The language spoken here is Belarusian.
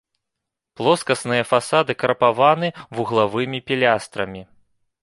Плоскасныя фасады крапаваны вуглавымі пілястрамі.